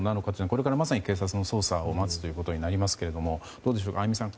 これから、まさに警察の捜査を待つということになりますがどうでしょうか、相見さん。